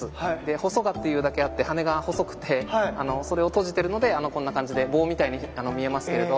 ホソガというだけあって羽が細くてそれを閉じてるのでこんな感じで棒みたいに見えますけれど。